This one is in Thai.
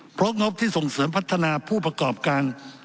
เพราะงบที่ส่งเสริมพัฒนาผู้ประกอบการ